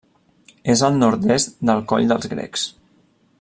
És al nord-est del Coll dels Grecs.